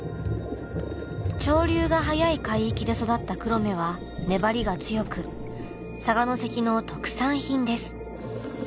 潮流が速い海域で育ったクロメは粘りが強く佐賀関の特産品です。